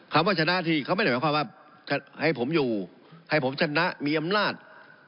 คำว่าชนะที่เขาไม่ได้หมายความว่าให้ผมอยู่ให้ผมชนะมีอำนาจ